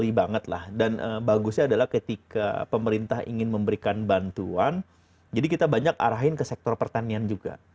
dan yang drastik banget lah dan bagusnya adalah ketika pemerintah ingin memberikan bantuan jadi kita banyak arahin ke sektor pertanian juga